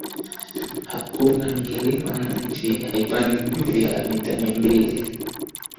Hakuna milima na nchi haipandi juu ya mita mia mbili